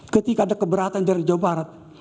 ketika ada keberatan dari jawa barat